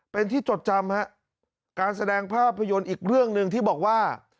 เป็นที่จดจำฮะการแสดงภาพยนตร์อีกเรื่องหนึ่งที่บอกว่า